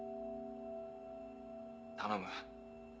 頼む。